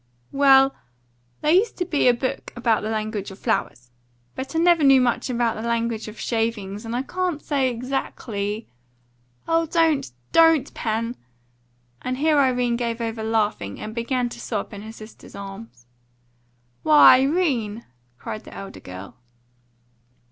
"Well, there used to be a book about the language of flowers. But I never knew much about the language of shavings, and I can't say exactly " "Oh, don't DON'T, Pen!" and here Irene gave over laughing, and began to sob in her sister's arms. "Why, 'Rene!" cried the elder girl.